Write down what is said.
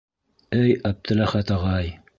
Эй, Әптеләхәт ағай!